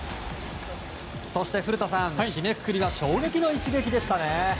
そして古田さん締めくくりは衝撃の一撃でした。